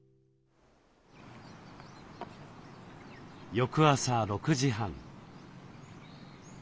翌朝６時半。